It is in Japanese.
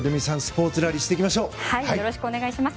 よろしくお願いします。